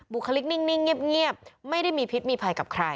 คลิกนิ่งเงียบไม่ได้มีพิษมีภัยกับใคร